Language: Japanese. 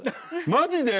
マジで？